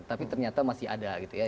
tapi ternyata masih ada gitu ya